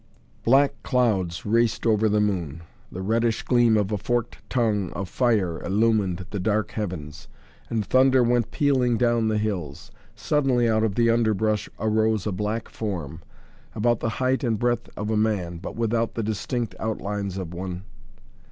Black clouds raced over the moon. The reddish gleam of a forked tongue of fire illumined the dark heavens, and thunder went pealing down the hills. Suddenly out of the underbrush arose a black form, about the height and breadth of a man, but without the distinct outlines of one.